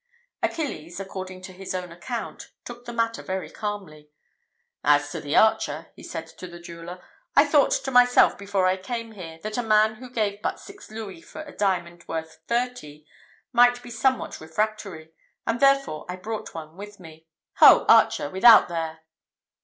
Achilles, according to his own account, took the matter very calmly. "As to the archer," said he to the jeweller, "I thought to myself before I came here, that a man who gave but six louis for a diamond worth thirty might be somewhat refractory, and, therefore, I brought one with me. Ho! archer! Without there?"